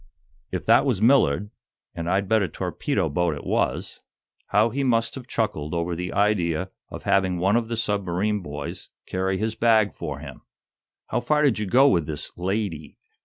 If that was Millard and I'd bet a torpedo boat it was how he must have chuckled over the idea of having one of the submarine boys carry his bag for him." "How far did you go with this 'lady'?"